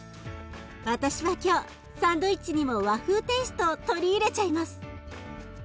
私は今日サンドイッチにも和風テイストを取り入れちゃいます。